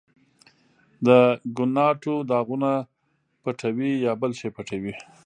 د ګناټو داغونه پټوې، یا بل شی پټوې؟